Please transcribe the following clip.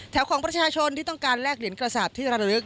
ของประชาชนที่ต้องการแลกเหรียญกระสาปที่ระลึก